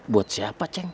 buat siapa ceng